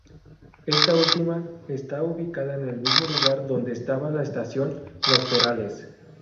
Esta última está ubicada en el mismo lugar donde estaba la estación Los Perales.